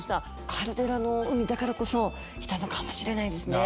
カルデラの海だからこそいたのかもしれないですね。